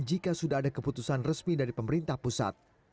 jika sudah ada keputusan resmi dari pemerintah pusat